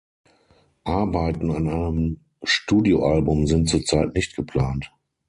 Arbeiten an einem Studioalbum sind zurzeit nicht geplant.